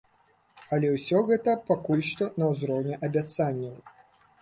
Але ўсё гэта пакуль што на ўзроўні абяцанняў.